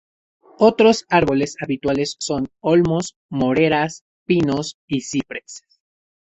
Otros árboles habituales son olmos, moreras, pinos y cipreses.